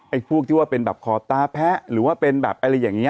ไอ้พวกที่ว่าเป็นแบบหรือว่าเป็นแบบอะไรอย่างเงี้ย